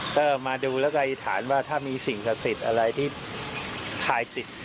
ก็มาดูแล้วก็อธิษฐานว่าถ้ามีสิ่งศักดิ์สิทธิ์อะไรที่ถ่ายติด